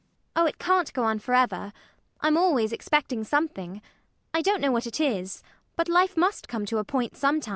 ELLIE. Oh, it can't go on forever. I'm always expecting something. I don't know what it is; but life must come to a point sometime.